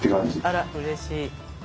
あらうれしい。